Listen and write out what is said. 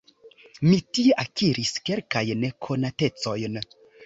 Mi tie akiris kelkajn konatecojn.